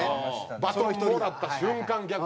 バトンもらった瞬間逆走。